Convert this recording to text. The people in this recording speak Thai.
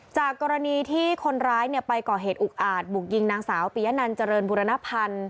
จากกรณีที่คนร้ายไปก่อเหตุอุกอาจบุกยิงนางสาวปียะนันเจริญบุรณพันธ์